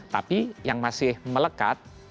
tapi yang masih melekat